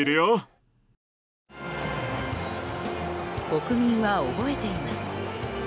国民は覚えています。